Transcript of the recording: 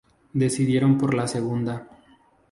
Decidieron por la segunda.